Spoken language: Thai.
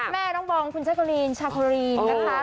แม่น้องบองคุณชะโคลีนชะโคลีนกันค่ะ